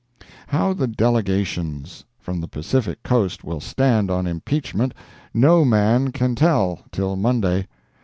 How the Delegations From the Pacific coast will stand on impeachment, no man can tell till Monday.